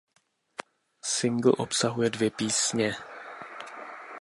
Singl obsahuje dvě písně.